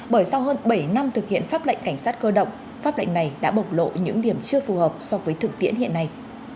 bởi sau hơn bảy năm thực hiện pháp lệnh cảnh sát cơ động pháp lệnh này đã bộc lộ những điểm chưa phù hợp so với thực tiễn hiện nay